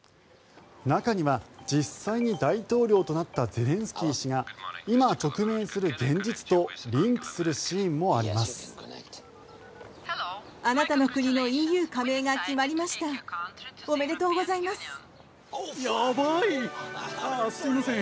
中には、実際に大統領となったゼレンスキー氏が今、直面する現実とリンクするシーンもあります。